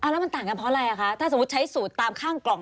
แล้วมันต่างกันเพราะอะไรคะถ้าสมมุติใช้สูตรตามข้างกล่อง